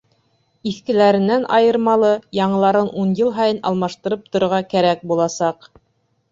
Иҫкеләренән айырмалы, яңыларын ун йыл һайын алмаштырып торорға кәрәк буласаҡ.